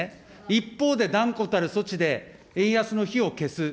一方で、断固たる措置で円安の火を消す。